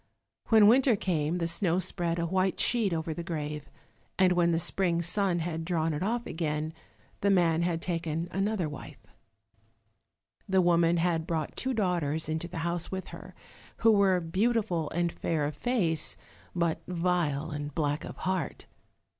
When winter came the snow spread a white sheet over the grave, and when the spring sun had drawn it off again, the man had taken another wife. The woman had brought two daughters into the house with her, who were beautiful and fair of face, but vile and black of heart.